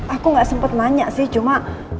aku gak sempet nanya sih cuma